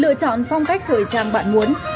lựa chọn phong cách thời trang bạn muốn